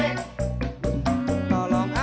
terima kasih wak